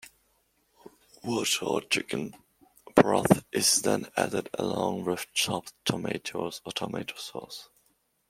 Water or chicken broth is then added along with chopped tomatoes or tomato sauce.